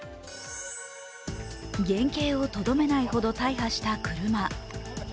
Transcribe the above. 原形をとどめないほど大破した車。